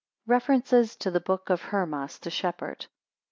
REFERENCES TO THE BOOK OF HERMAS, THE SHEPHERD.